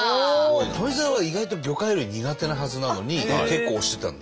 富澤は意外と魚介類苦手なはずなのに結構押してたんで。